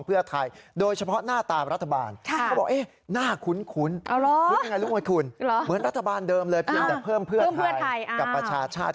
เพราะวันฐานรัฐธรรมนูญวันที่๑๖ใช่ไหม